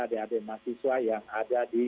adik adik mahasiswa yang ada di